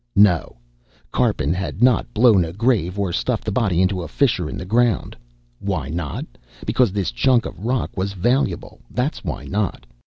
No, Karpin had not blown a grave or stuffed the body into a fissure in the ground. Why not? Because this chunk of rock was valuable, that's why not.